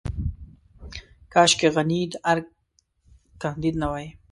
کاشکې غني د ارګ کانديد نه وای.